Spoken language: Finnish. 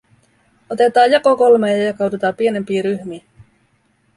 "Otetaa jako kolmee ja jakaudutaa pienempii ryhmii.